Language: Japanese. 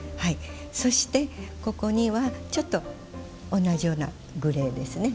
そして、ここにはちょっと同じようなグレーですね。